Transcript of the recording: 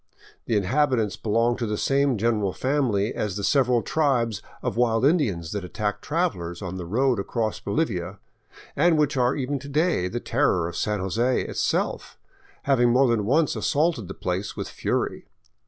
The in habitants belong to the same general family as the several tribes of wild Indians that attack travelers on the road across Bolivia, and which are even to day the terror of San Jose itself, having more than once assaulted the place with fury.